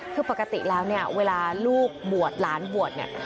คือปกติแล้วเนี่ยเวลาลูกบวชหลานบวชเนี่ย